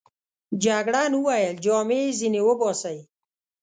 جګړن وویل: جامې يې ځینې وباسئ.